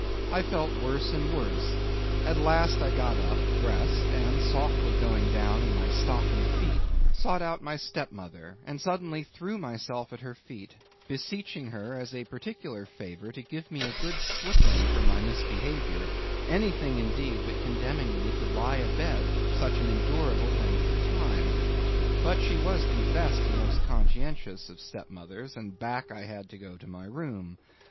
I felt worse and worse—at last I got up, dressed, and softly going down in my stockinged feet, sought out my stepmother, and suddenly threw myself at her feet, beseeching her as a particular favour to give me a good slippering for my misbehaviour; anything indeed but condemning me to lie abed such an unendurable length of time. But she was the best and most conscientious of stepmothers, and back I had to go to my room.